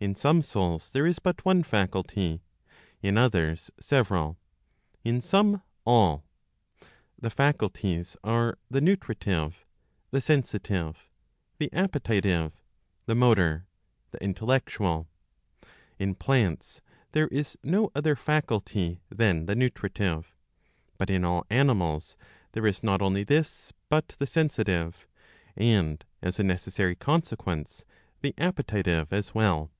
In some souls there is but one faculty, in others several, in some all. The faculties are the Nutritive, the Sensitive, the Appetitive, the Motor, the Intellectual. In plants there is no other faculty than the Nutritive, but in all animals there is not only this, but the Sensitive, and, as a necessary consequence, the Appetitive as well.